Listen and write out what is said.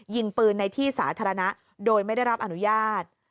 ยิงปืนในที่สาธารณะโดยไม่ได้รับอนุญาต